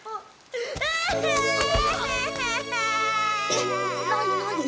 えっ何何？